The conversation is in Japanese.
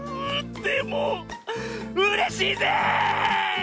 でもうれしいぜ！